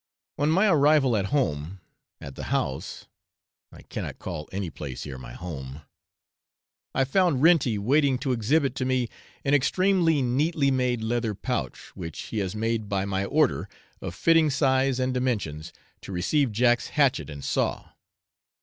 On my arrival at home at the house I cannot call any place here my home! I found Renty waiting to exhibit to me an extremely neatly made leather pouch, which he has made by my order, of fitting size and dimensions, to receive Jack's hatchet and saw.